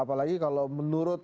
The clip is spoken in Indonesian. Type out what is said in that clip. apalagi kalau menurut